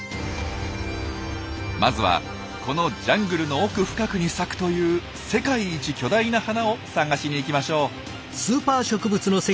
まずはこのジャングルの奥深くに咲くという世界一巨大な花を探しに行きましょう。